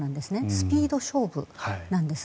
スピード勝負なんです。